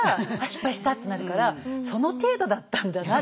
失敗したってなるからその程度だったんだな